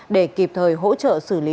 để kịp thời hỗ trợ xử lý